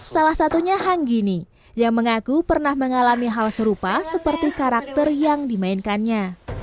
salah satunya hanggini yang mengaku pernah mengalami hal serupa seperti karakter yang dimainkannya